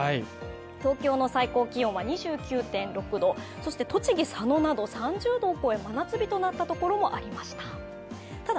東京の最高気温は２９．６度、そして栃木・佐野など３０度を超え真夏日となった所もありました。